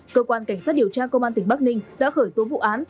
cơ quan cảnh sát điều tra công an tỉnh bắc ninh đã khởi tố vụ án